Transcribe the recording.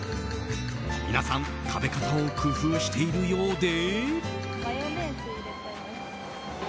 皆さん食べ方を工夫しているようで。